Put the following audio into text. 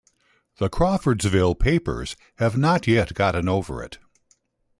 The Crawfordsville papers have not yet gotten over it.